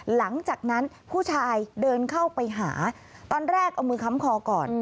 หลังจากนั้นผู้ชายเดินเข้าไปหาตอนแรกเอามือค้ำคอก่อน